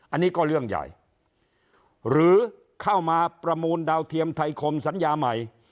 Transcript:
อันนี้ก็เรื่องใหญ่หรือเข้ามาประมูลดาวเทียมไทยคมสัญญาใหม่